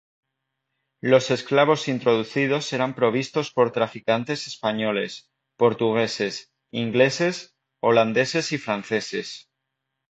Los esclavos introducidos eran provistos por traficantes españoles, portugueses, ingleses, holandeses y franceses.